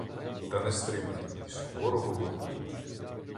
Та не стримати їй суворого походу.